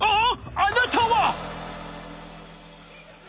あなたは！